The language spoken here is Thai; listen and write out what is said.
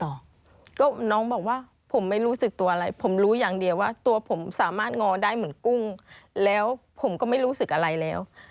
ก็น้องบอกว่าผมไม่รู้สึกตัวอะไรผมรู้อย่างเดียวว่าตัวผมสามารถงอได้เหมือนกุ้งแล้วผมก็ไม่รู้สึกอะไรแล้ว